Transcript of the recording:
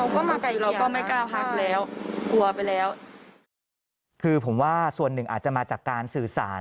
เขาก็มาไก่เกียร์นะครับค่ะคือผมว่าส่วนหนึ่งอาจจะมาจากการสื่อสาร